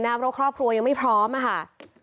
เพราะครอบครัวยังไม่พร้อมค่ะ